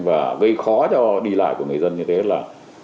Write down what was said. và gây khó cho đi lại của người dân như thế là